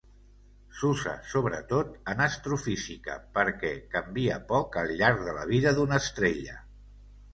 S'usa, sobretot, en astrofísica perquè canvia poc al llarg de la vida d'una estrella.